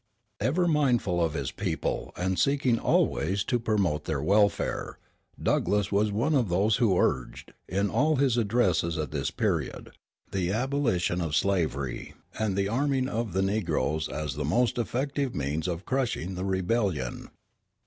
Ever mindful of his people and seeking always to promote their welfare, Douglass was one of those who urged, in all his addresses at this period, the abolition of slavery and the arming of the negroes as the most effective means of crushing the rebellion.